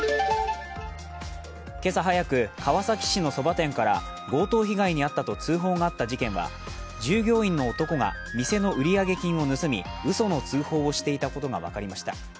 今朝早く、川崎市のそば店から強盗被害に遭ったと通報があった事件は従業員の男が店の売上金を盗みうその通報をしていたことが分かりました。